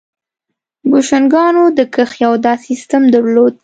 بوشنګانو د کښت یو داسې سیستم درلود.